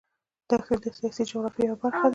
دښتې د سیاسي جغرافیه یوه برخه ده.